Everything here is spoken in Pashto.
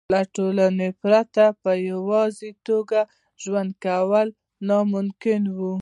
له ټولنې پرته په یوازې توګه ژوند کول ناممکن وو.